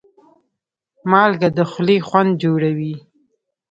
مالګه د خولې خوند جوړوي.